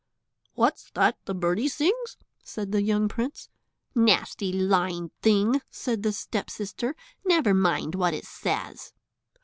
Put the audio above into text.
"What's that the birdie sings?" said the young prince. "Nasty, lying thing," said the step sister, "never mind what it says."